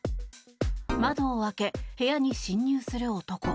窓を開け、部屋に侵入する男。